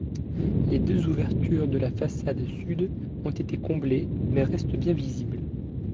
Les deux ouvertures de la façade sud ont été comblées mais restent bien visibles.